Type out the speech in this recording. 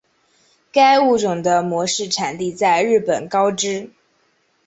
该物种的模式产地在日本高知。